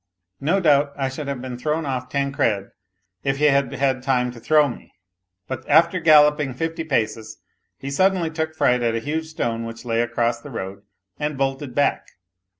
No doubt I should have been thrown off Tancred if he had had time to throw me, but after galloping fifty paces he suddenly took fright at a huge stone which lay across the road and bolted back.